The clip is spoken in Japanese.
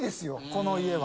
この家は。